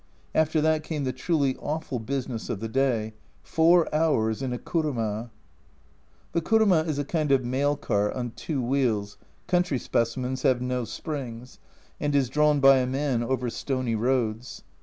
After that came the truly awful business of the day four hours in a kuruma I The kuruma is a kind of mail cart on two wheels (country specimens have no springs), and is drawn by a man over stony roads.